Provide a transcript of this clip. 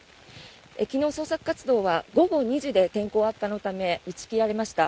昨日、捜索活動は午後２時で天候悪化のため打ち切られました。